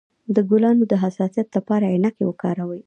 د ګلانو د حساسیت لپاره عینکې وکاروئ